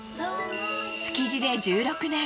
築地で１６年。